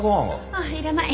ああいらない。